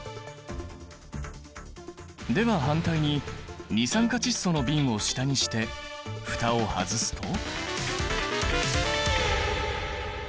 では反対に二酸化窒素の瓶を下にして蓋を外すと？